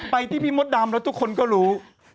ที่พี่มดดำแล้วทุกคนก็รู้